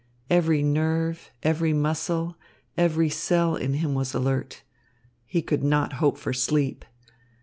Every nerve, every muscle, every cell in him was alert. He could not hope for sleep.